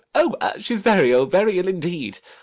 Oh, she's very ill, very ill indeed.